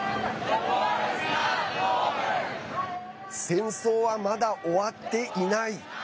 戦争は、まだ終わっていない。